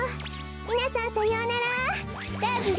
みなさんさようならラブリー。